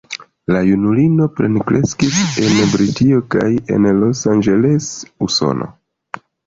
La junulino plenkreskis en Britio kaj en Los Angeles, Usono.